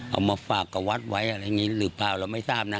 เอามาฝากกับวัดไว้อะไรอย่างนี้หรือเปล่าเราไม่ทราบนะ